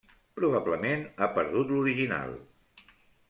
Probablement ha perdut l'original.